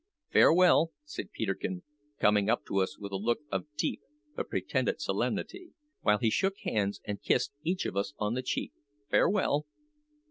"Farewell!" said Peterkin, coming up to us with a look of deep but pretended solemnity, while he shook hands and kissed each of us on the cheek "farewell!